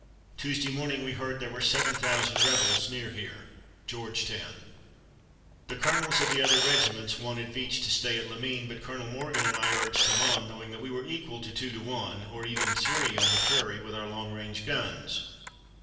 Tuesday morning we heard there were seven thousand rebels near here [Georgetown]. The colonels of the other regiments wanted Veatch to stay at Lamine, but Colonel Morgan and I urged him on, knowing that we were equal to two to one, or even three, on the prairie with our long range guns.